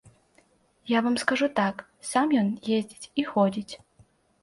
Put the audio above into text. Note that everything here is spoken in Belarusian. Я вам скажу так, сам ён ездзіць і ходзіць.